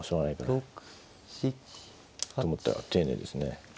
６７８。と思ったら丁寧ですね。